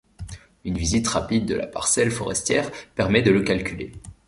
Une visite rapide de la parcelle forestière permet de le calculer.